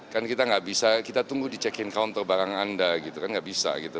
kan kita nggak bisa kita tunggu di check in counter barang anda gitu kan nggak bisa gitu